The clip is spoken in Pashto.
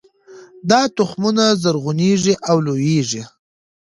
دا تخمونه زرغونیږي او لوییږي